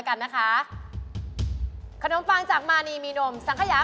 ก็ไปอายุเวลาก่อนนะครับ